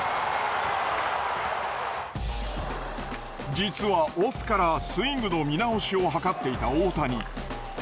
実はオフからスイングの見直しを図っていた大谷。